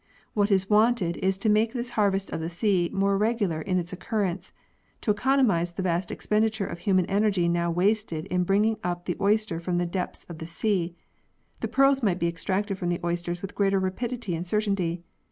What is wanted is to make this harvest of the sea more regular in its occurrence, to economise the vast expenditure of human energy now wasted in bringing up the oyster from the depths of the sea. The pearls might be extracted from the oysters with greater rapidity and certainty.